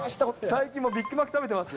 最近、ビッグマック食べてます？